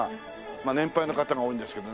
まあ年配の方が多いんですけどね。